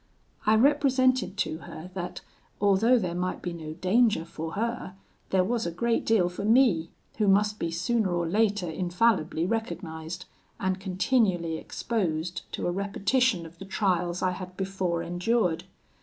"I represented to her that, although there might be no danger for her, there was a great deal for me, who must be sooner or later infallibly recognised, and continually exposed to a repetition of the trials I had before endured.